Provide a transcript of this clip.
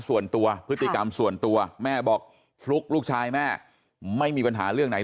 ส่วนตัวพฤติกรรมส่วนตัวแม่บอกฟลุ๊กลูกชายแม่ไม่มีปัญหาเรื่องไหน